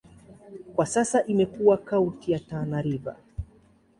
Kwa sasa imekuwa kaunti ya Tana River.